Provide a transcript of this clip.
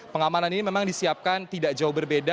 pengamanan ini memang disiapkan tidak jauh berbeda